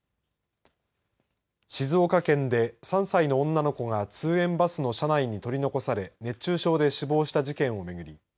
静岡県で３歳の女の子が通園バスの車内に取り残され熱中症で死亡した事件を巡り